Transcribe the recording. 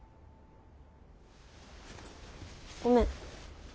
ごめん。